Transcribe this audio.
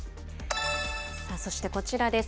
そしてこちらです。